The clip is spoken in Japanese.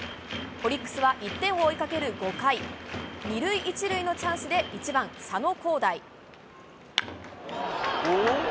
オリックスは１点を追いかける５回、２塁１塁のチャンスで、１番佐野皓大。